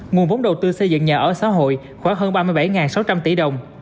nguồn vốn đầu tư xây dựng nhà ở xã hội khoảng hơn ba mươi bảy sáu trăm linh tỷ đồng